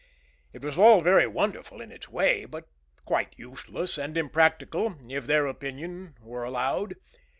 It was all very wonderful in its way, but quite useless and impractical, if their opinion were allowed.